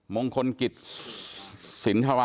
มงคลกิจ